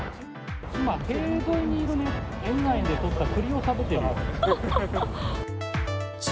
今、塀沿いにいるね、園内で取ったくりを食べてるよ。